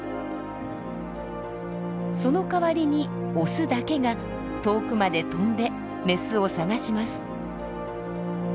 そのかわりにオスだけが遠くまで飛んでメスを探します。